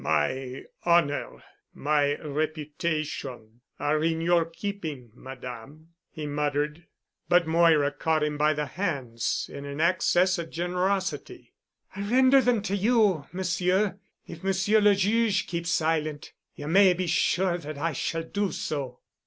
"My honor—my reputation, are in your keeping, Madame," he muttered. But Moira caught him by the hands in an access of generosity. "I render them to you, Monsieur. If Monsieur le Juge keeps silent, you may be sure that I shall do so."